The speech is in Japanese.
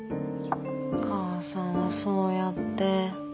お母さんはそうやって。